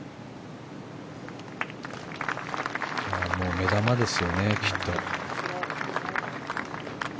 目玉ですよね、きっと。